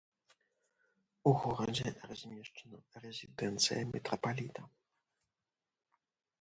У горадзе размешчана рэзідэнцыя мітрапаліта.